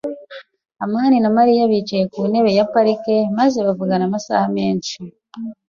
amani na Mariya bicaye ku ntebe ya parike maze bavugana amasaha menshi.